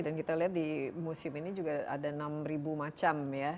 kita lihat di museum ini juga ada enam ribu macam ya